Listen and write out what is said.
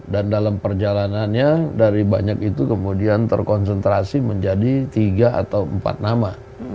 dan dalam perjalanannya dari banyak itu kemudian terkonsentrasi menjadi tiga atau empat nama